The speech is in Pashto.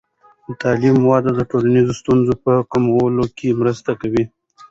د تعلیم وده د ټولنیزو ستونزو په کمولو کې مرسته کوي.